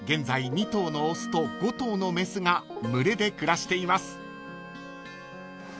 ２頭の雄と５頭の雌が群れで暮らしています］